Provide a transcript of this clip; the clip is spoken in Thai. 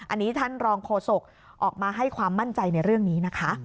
อันนี้ท่านรองโฆษกออกมาให้ความมั่นใจในเรื่องนี้นะคะ